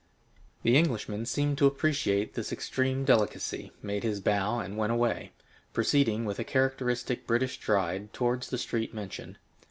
The Englishman seemed to appreciate this extreme delicacy, made his bow and went away, proceeding with a characteristic British stride towards the street mentioned.